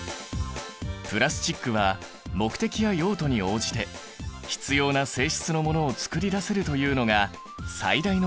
プラスチックは目的や用途に応じて必要な性質なものをつくり出せるというのが最大の特徴だ。